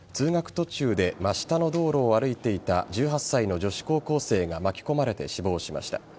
途中で真下の道路を歩いていた１８歳の女子高校生が巻き込まれて死亡しました。